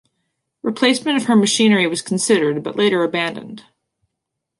Replacement of her machinery was considered, but later abandoned.